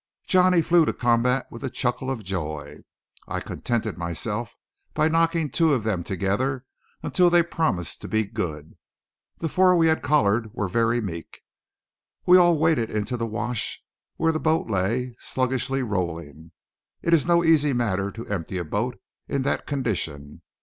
Johnny flew to combat with a chuckle of joy. I contented myself by knocking two of them together until they promised to be good. The four we had collared were very meek. We all waded into the wash where the boat lay sluggishly rolling. It is no easy matter to empty a boat in that condition.